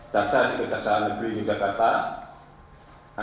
jaksa di kejaksaan negeri yogyakarta